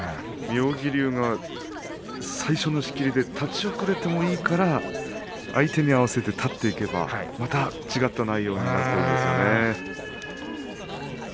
妙義龍が最初の仕切りで立ち遅れてもいいから相手に合わせて立っていけばまた違った内容になっているんですかね。